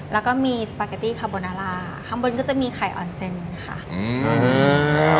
แล้วก็มีสปาเกตตี้คาโบนาล่าข้างบนก็จะมีไข่ออนเซนค่ะอืม